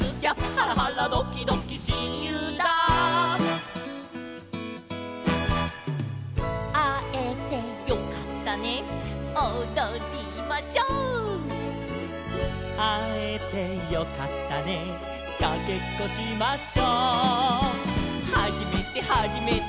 「ハラハラドキドキしんゆうだ」「あえてよかったねおどりましょう」「あえてよかったねかけっこしましょ」「はじめてはじめて」